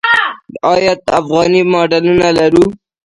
آیا افغاني ماډلونه لرو؟